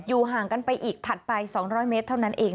ห่างกันไปอีกถัดไป๒๐๐เมตรเท่านั้นเอง